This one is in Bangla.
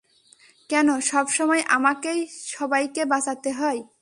কেন সবসময় আমাকেই সবাইকে বাঁচাতে হয়?